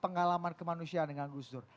pengalaman kemanusiaan dengan gus dur